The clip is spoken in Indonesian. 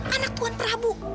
anak tuhan prabu